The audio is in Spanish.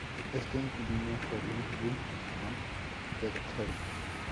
Este inquilino fue Ludwig van Beethoven.